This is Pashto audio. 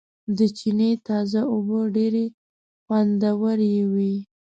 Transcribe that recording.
د چينې تازه اوبه ډېرې خوندورېوي